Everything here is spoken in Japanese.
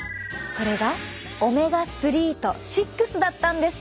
それがオメガ３と６だったんです。